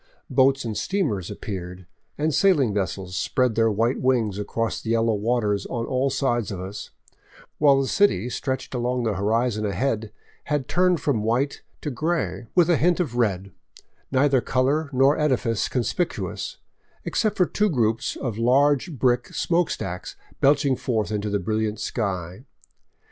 Boats and steamers appeared, and sailing vessels spread their white wings across the yellow waters on all sides of us, while the city stretched along the horizon ahead had turned from white to gray, with a tint of red, neither color nor edifice conspicuous, except for two groups of huge brick smoke stacks belching forth into the brilliant sky.